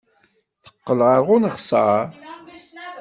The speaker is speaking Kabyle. Teqqel ɣer uneɣsar.